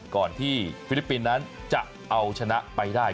ก่อนที่ฟิลิปปินส์นั้นจะเอาชนะไปได้